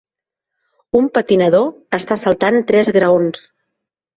Un patinador està saltant tres graons.